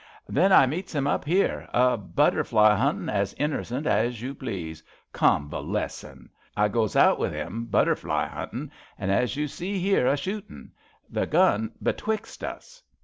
Then I meets 'im up here, a butterfly huntin' as innercent as you please — convalessin'. I goes out with 'im butterfly huntin', and, as you see 'ere, a shootin'. The gun betwixt us."